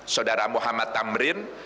saudara muhammad tamrin